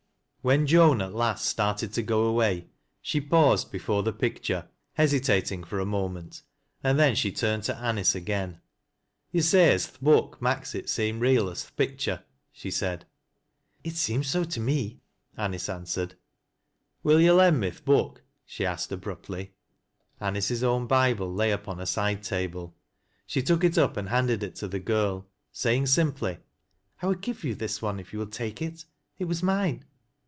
When Joan at last started to go away, she paused be fore the picture, hesitating for a moment, and then she turned to Anice again. " To' say as th' book maks it seem real as th' pictur," she said. " It seems so to me," Anice answered. " Will yo' lend, me th' book ?" she asked abruptly. Anice's own Bible lay upon a side table. She took ii ap and handed it to the girl, saying simply, " I will give you this one if you will take it It wa« mine."